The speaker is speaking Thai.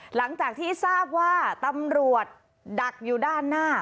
หลังจากที่ทราบว่าตำรวจดักอยู่ด้านหน้า